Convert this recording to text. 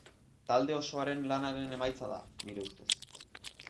Talde osoaren lanaren emaitza da, nire ustez.